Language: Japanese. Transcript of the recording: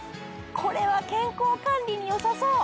これは健康管理によさそう！